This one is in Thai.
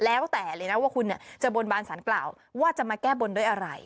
แล้วแต่เลยนะว่าคุณจะบนบานสารกล่าวว่าจะมาแก้บนด้วยอะไร